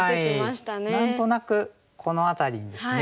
何となくこの辺りにですね